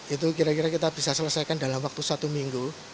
itu kira kira kita bisa selesaikan dalam waktu satu minggu